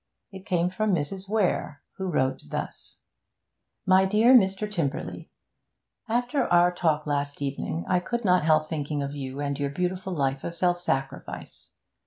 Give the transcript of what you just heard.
It came from Mrs. Weare, who wrote thus: 'MY DEAR MR. TYMPERLEY, After our talk last evening, I could not help thinking of you and your beautiful life of self sacrifice.